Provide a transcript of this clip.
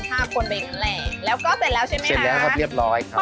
ทำท่าควนไปอย่างนั้นแหละแล้วก็เสร็จแล้วใช่ไหมคะเสร็จแล้วก็เรียบร้อยครับ